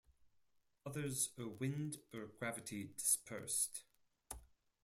Others are wind or gravity dispersed.